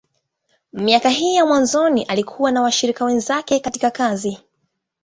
Miaka hii ya mwanzoni, alikuwa na washirika wenzake katika kazi.